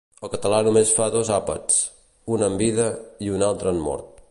El català només fa dos àpats: un en vida i un altre en mort.